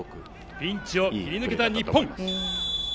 ピンチを切り抜けた日本。